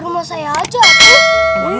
ya saya tentu